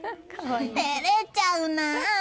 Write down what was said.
照れちゃうな。